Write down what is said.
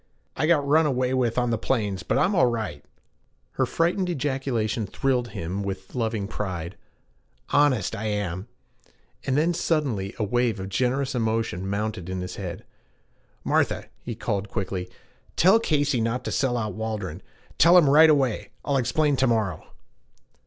'I got run away with on the plains, but I'm all right ' Her frightened ejaculation thrilled him with loving pride 'honest I am.' And then suddenly a wave of generous emotion mounted to his head. 'Martha,' he called quickly, 'tell Casey not to sell out Waldron tell him right away. I'll explain to morrow.'